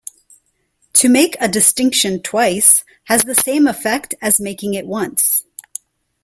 To make a distinction twice has the same effect as making it once.